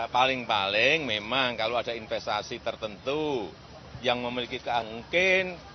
paling paling memang kalau ada investasi tertentu yang memiliki keangkin